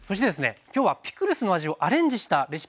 今日はピクルスの味をアレンジしたレシピもご紹介頂きます。